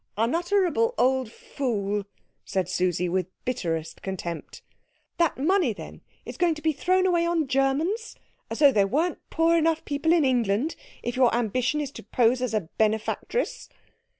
"Unutterable old fool," said Susie with bitterest contempt. "That money, then, is going to be thrown away on Germans? As though there weren't poor people enough in England, if your ambition is to pose as a benefactress!"